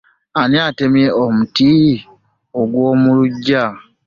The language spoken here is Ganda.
Ani atemye emiti gy'omuluggya?